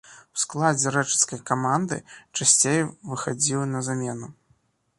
У складзе рэчыцкай каманды часцей выхадзіў на замену.